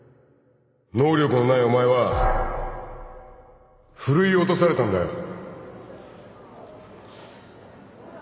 能力のないお前はふるい落とされたんだよ